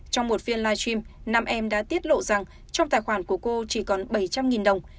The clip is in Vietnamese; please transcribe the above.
trong một phiên live stream năm em đã tiết lộ rằng trong tài khoản của cô chỉ còn bảy trăm linh đồng